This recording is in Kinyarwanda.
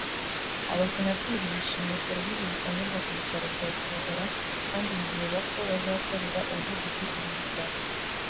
Abasenateri bishimiye serivise zitangirwa ku Bitaro bya Kibogora kandi bizeza ko bazakorera ubuvugizi ibi bitaro